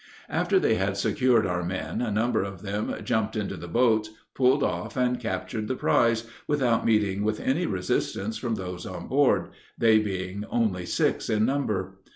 After they had secured our men, a number of them jumped into the boats, pulled off, and captured the prize, without meeting with any resistance from those on board, they being only six in number.